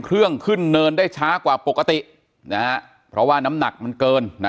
เครื่องขึ้นเนินได้ช้ากว่าปกตินะฮะเพราะว่าน้ำหนักมันเกินนะ